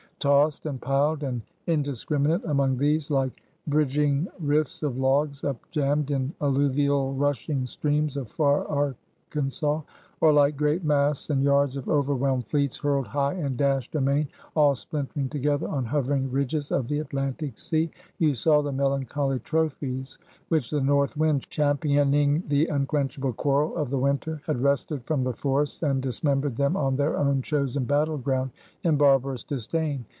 Tossed, and piled, and indiscriminate among these, like bridging rifts of logs up jammed in alluvial rushing streams of far Arkansas: or, like great masts and yards of overwhelmed fleets hurled high and dashed amain, all splintering together, on hovering ridges of the Atlantic sea, you saw the melancholy trophies which the North Wind, championing the unquenchable quarrel of the Winter, had wrested from the forests, and dismembered them on their own chosen battle ground, in barbarous disdain.